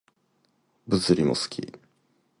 物理も好き